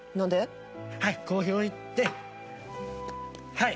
はい！